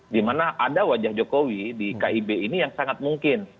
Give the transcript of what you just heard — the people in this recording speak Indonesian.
dimana ada wajah jokowi di kib ini yang sangat mungkin